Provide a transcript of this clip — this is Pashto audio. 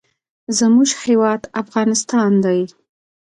زموږ هیواد افغانستان دی.